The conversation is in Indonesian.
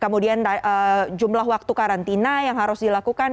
kemudian jumlah waktu karantina yang harus dilakukan